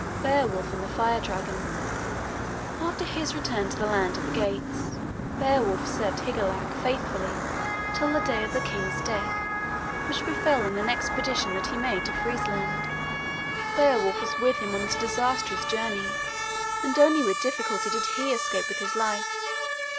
BEOWULF AND THE FIRE DRAGON After his return to the land of the Geats, Beowulf served Higelac faithfully till the day of the king's death, which befell in an expedition that he made to Friesland. Beowulf was with him on that disastrous journey, and only with difficulty did he escape with his life.